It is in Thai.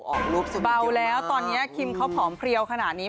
ออกรูปสุดยอดเก็บมากเปล่าแล้วตอนนี้คิมเขาผอมเพลียวขนาดนี้